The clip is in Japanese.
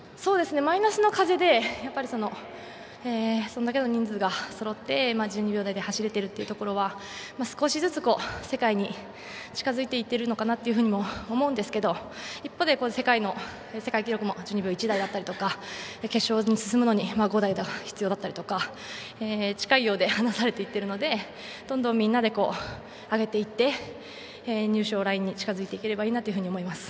マイナスの風でこれだけの人数がそろって、１２秒台で走れているということは少しずつ世界に近づいていっているのかなと思うんですけど一方で世界記録も１２秒１台だったりとか決勝に進むのに５台が必要だったりとか近いようではなされているのでどんどん、みんなで上げていって入賞ラインに近づいていければいいなと思います。